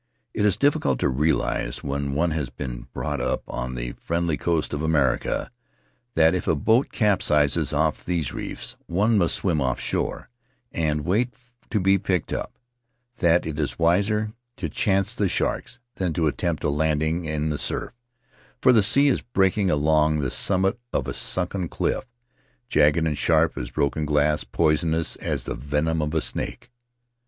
It is difficult to realize, when one has been brought up on the friendly coasts of America, that if a boat capsizes off these reefs one must swim offshore and wait to be picked up — that it is wiser to chance the sharks than to attempt a landing in the surf, for the sea is breaking along the summit of a sunken cliff — jagged and sharp as broken glass, poisonous as the venom of a snake.